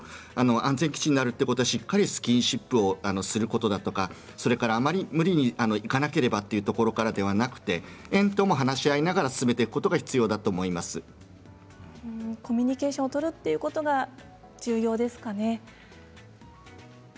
安全基地になるということはしっかりスキンシップをすることだとかあまり無理に行っていかなければというところからではなくて園とも話し合いながら進めていくことがコミュニケーションを取るということが重要ですかね。